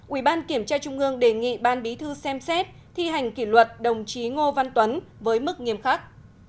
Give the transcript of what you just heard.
ubktq đề nghị ban bí thư xem xét thi hành kỷ luật đồng chí ngô văn tuấn với mức nghiêm khắc